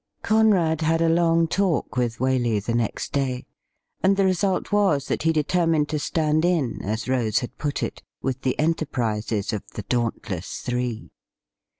CoNUAD had a long talk with Waley the next day, and the result was that he determined to stand in, as Rose had put it, with the enterprises of the Dauntless Three.